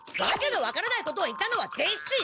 わけのわからないことを言ったのは伝七！